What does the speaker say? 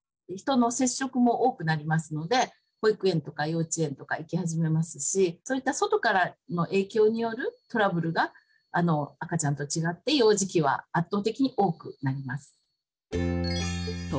人の接触も多くなりますので保育園とか幼稚園とか行き始めますしそういった外からの影響によるトラブルがあの赤ちゃんと違って幼児期は圧倒的に多くなります。